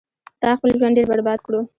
تا خپل ژوند ډیر برباد کړو